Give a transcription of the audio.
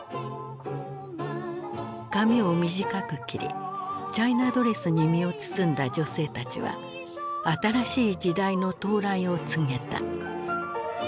髪を短く切りチャイナドレスに身を包んだ女性たちは新しい時代の到来を告げた。